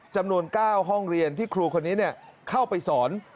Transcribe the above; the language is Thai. จำนวน๙ห้องเรียนที่ครูคนนี้เข้าไปสอน